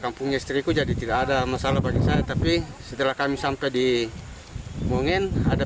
kampungnya istriku jadi tidak ada masalah bagi saya tapi setelah kami sampai di mungen ada